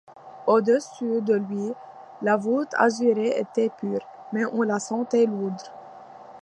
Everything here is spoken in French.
Au-dessus de lui, la voûte azurée était pure, mais on la sentait lourde.